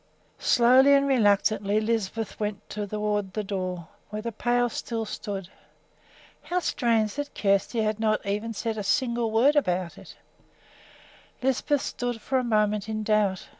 Slowly and reluctantly Lisbeth went toward the door, where the pail still stood. How strange that Kjersti had not even yet said a single word about it! Lisbeth stood for a moment in doubt.